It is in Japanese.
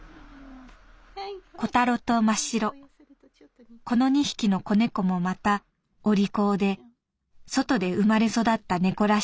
「コタロとマシロこの２匹の子猫もまたお利口で外で生まれ育った猫らしく人に懐かない」。